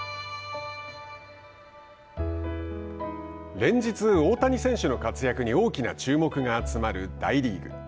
連日、大谷選手の活躍に大きな注目が集まる大リーグ。